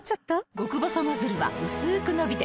極細ノズルはうすく伸びて